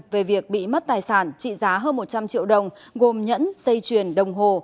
về việc bị mất tài sản trị giá hơn một trăm linh triệu đồng gồm nhẫn dây chuyền đồng hồ